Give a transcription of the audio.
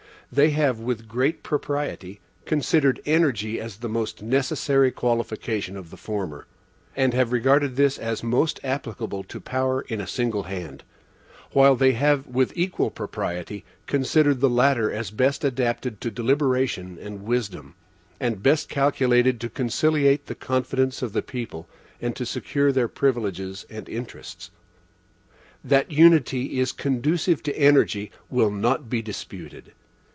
They have with great propriety, considered energy as the most necessary qualification of the former, and have regarded this as most applicable to power in a single hand, while they have, with equal propriety, considered the latter as best adapted to deliberation and wisdom, and best calculated to conciliate the confidence of the people and to secure their privileges and interests. That unity is conducive to energy will not be disputed.